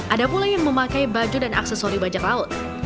ada pula yang memakai baju dan aksesori bajak laut